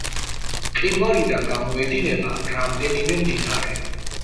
მყინვარიდან გამოედინება რამდენიმე მდინარე.